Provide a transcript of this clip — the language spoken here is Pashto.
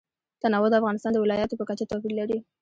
تنوع د افغانستان د ولایاتو په کچه توپیر لري.